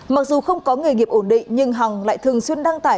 mặc dù không có nghề nghiệp ổn định nhưng hằng lại thường xuyên đăng tải